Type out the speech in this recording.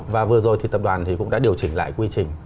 và vừa rồi thì tập đoàn cũng đã điều chỉnh lại quy trình